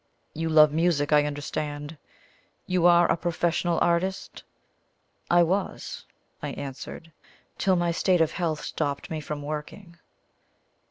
You love music, I understand you are a professional artist?" "I was," I answered, "till my state of health stopped me from working."